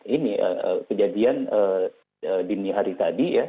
ini kejadian dini hari tadi ya